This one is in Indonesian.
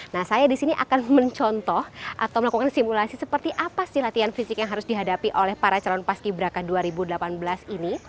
nah saya disini akan mencontoh atau melakukan simulasi seperti apa sih latihan fisik yang harus dihadapi oleh para calon paski braka dua ribu delapan belas ini